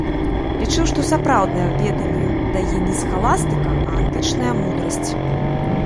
Лічыў, што сапраўднае веданне дае не схаластыка, а антычная мудрасць.